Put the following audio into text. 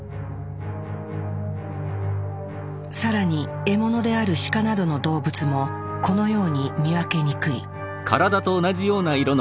更に獲物であるシカなどの動物もこのように見分けにくい。